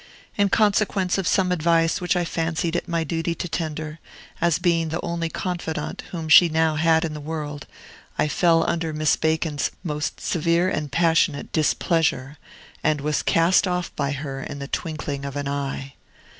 In consequence of some advice which I fancied it my duty to tender, as being the only confidant whom she now had in the world, I fell under Miss Bacon's most severe and passionate displeasure, and was cast off by her in the twinkling of an eye.